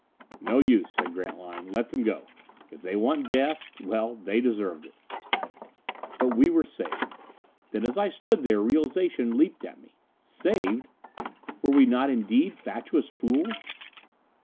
"No use," said Grantline. "Let them go. If they want death well, they deserve it." But we were saved. Then, as I stood there, realization leaped at me. Saved? Were we not indeed fatuous fools?